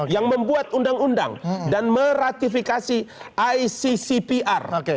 yang membuat undang undang dan meratifikasi iccpr